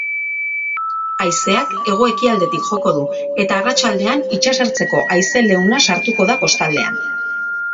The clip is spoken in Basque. Haizeak hego-ekialdetik joko du eta arratsaldean itsasertzeko haize leuna sartuko da kostaldean.